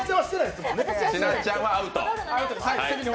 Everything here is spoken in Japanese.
ちなっちゃんはアウト。